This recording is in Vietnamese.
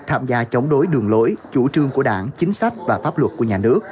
tham gia chống đối đường lối chủ trương của đảng chính sách và pháp luật của nhà nước